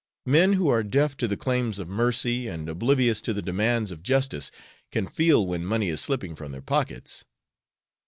Men who are deaf to the claims of mercy, and oblivious to the demands of justice, can feel when money is slipping from their pockets."